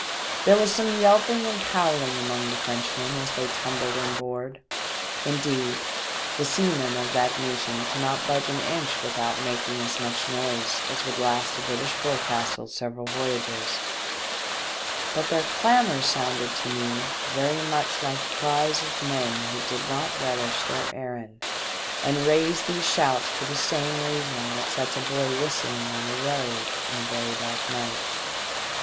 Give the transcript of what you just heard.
There was some yelping and howling among the Frenchmen as they tumbled in board— indeed, the seamen of that nation cannot budge an inch without making as much noise as would last a British forecastle several voyages ; but their clamour sounded to me very much like the cries of men who did not relish their errand and raised these shouts for the same reason that sets a boy whistling on a road in a dark night.